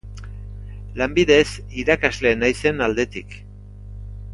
Lanbidez irakasle naizen aldetik.